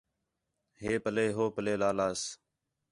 ہِے پَلّے ہو پَلّے لا لاس